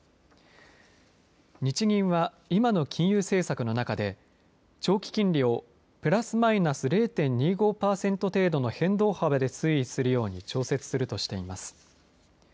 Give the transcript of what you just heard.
日銀は今の金融政策の中で長期金利をプラス、マイナス０．２５パーセント程度の変動幅で推移するように調節するとしています。